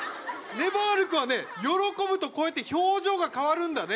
ねばる君はね喜ぶとこうやって表情が変わるんだね。